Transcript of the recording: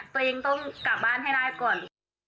ตัวเองต้องกลับบ้านให้ได้ก่อน